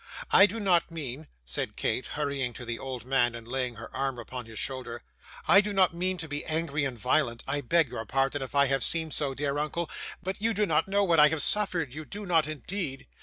I do not mean,' said Kate, hurrying to the old man, and laying her arm upon his shoulder; 'I do not mean to be angry and violent I beg your pardon if I have seemed so, dear uncle, but you do not know what I have suffered, you do not indeed.